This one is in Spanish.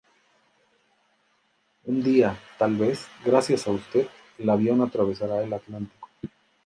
Un día, tal vez, gracias a usted, el avión atravesará el Atlántico".